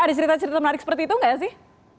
ada cerita cerita menarik seperti itu enggak ya sih